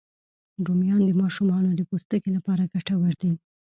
رومیان د ماشومانو د پوستکي لپاره ګټور دي